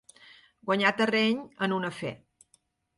Guanyar terreny en un afer.